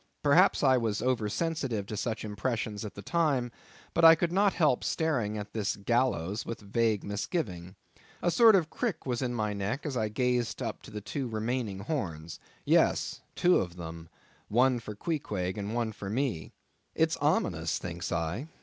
Perhaps I was over sensitive to such impressions at the time, but I could not help staring at this gallows with a vague misgiving. A sort of crick was in my neck as I gazed up to the two remaining horns; yes, two of them, one for Queequeg, and one for me. It's ominous, thinks I.